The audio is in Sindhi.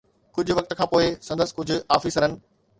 ڪجهه وقت کان پوءِ سندس ڪجهه آفيسرن